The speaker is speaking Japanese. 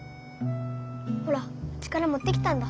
ほらうちからもってきたんだ。